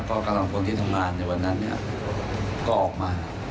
ก็กำลังคนที่ทำงานในวันนั้นเนี่ยก็ออกมา